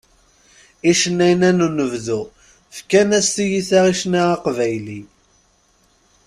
Icennayen-a n unebdu fkan-as tiyita i ccna aqbayli.